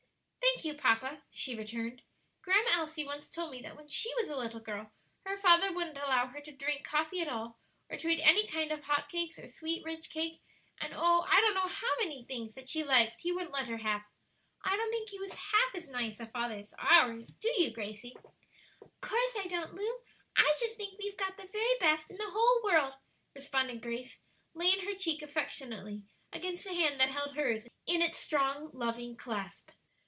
"Thank you, papa," she returned. "Grandma Elsie once told me that when she was a little girl her father wouldn't allow her to drink coffee at all, or to eat any kind of hot cakes or rich sweet cake; and oh I don't know how many things that she liked he wouldn't let her have. I don't think he was half as nice a father as ours; do you, Gracie?" "'Course I don't, Lu; I just think we've got the very best in the whole world," responded Grace, laying her cheek affectionately against the hand that held hers in its strong, loving clasp.